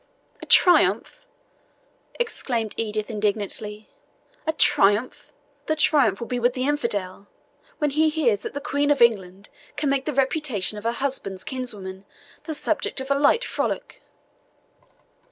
"A triumph!" exclaimed Edith indignantly "a triumph! The triumph will be with the infidel, when he hears that the Queen of England can make the reputation of her husband's kinswoman the subject of a light frolic."